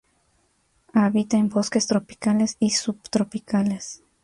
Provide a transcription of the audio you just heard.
Habita en bosques tropicales y subtropicales.